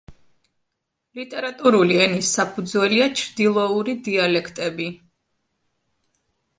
ლიტერატურული ენის საფუძველია ჩრდილოური დიალექტები.